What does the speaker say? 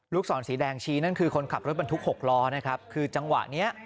ศรสีแดงชี้นั่นคือคนขับรถบรรทุกหกล้อนะครับคือจังหวะเนี้ย